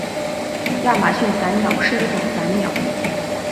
亚马逊伞鸟是一种伞鸟。